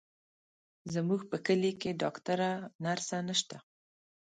زموږ په کلي کې ډاکتره، نرسه نشته،